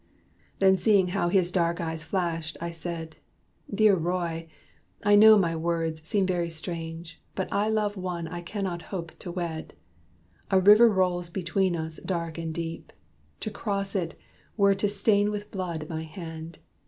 Then, seeing how his dark eyes flashed, I said, "Dear Roy! I know my words seem very strange; But I love one I cannot hope to wed. A river rolls between us, dark and deep. To cross it were to stain with blood my hand.